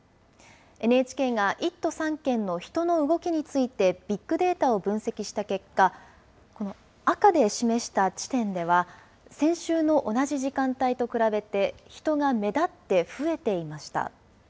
ＮＨＫが１都３県の人の動きについてビッグデータを分析した結果、この赤で示した地点では、先週の同じ時間帯と比べて人が目立って増えていました。